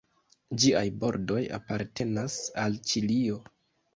Ĝiaj bordoj apartenas al Ĉilio.